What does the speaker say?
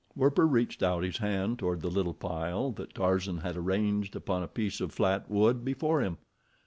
Werper reached out his hand toward the little pile that Tarzan had arranged upon a piece of flat wood before him.